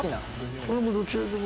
俺もどちらでも。